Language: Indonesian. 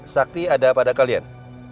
sakti ada pada kalian